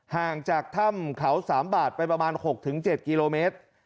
ห่างจากถ้ำเขา๓บาทไปประมาณ๖๗กิโลเมตร